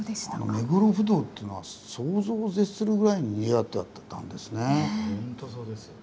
目黒不動っていうのは想像を絶するぐらいににぎわってたんですね。